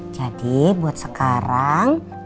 jadi buat sekarang